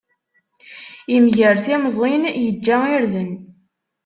Imger timẓin, iǧǧa irden.